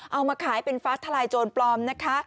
เอามาขายเป็นฟ้าทลายโจรปลอมนะคะ